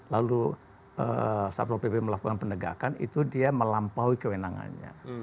lalu satpol pp melakukan penegakan itu dia melampaui kewenangannya